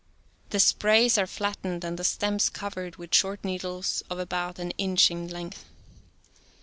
The sprays are flattened and the stems covered with short needles of about an inch in length.